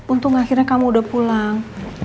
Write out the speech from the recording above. untung akhirnya kamu udah pulang